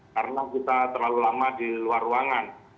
karena kita terlalu lama di luar ruangan